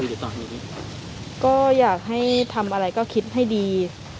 อยู่ตอนนี้ก็อยากให้ทำอะไรก็คิดให้ดี